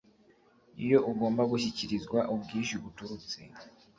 iyo ugomba gushyikirizwa ubwishyu buturutse